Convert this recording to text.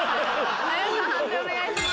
判定お願いします。